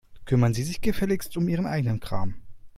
Kümmern Sie sich gefälligst um Ihren eigenen Kram.